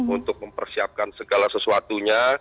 untuk mempersiapkan segala sesuatunya